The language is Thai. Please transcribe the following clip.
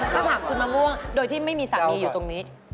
ถ้าถามคุณมะม่วงโดยที่ไม่มีสามีอยู่ตรงนี้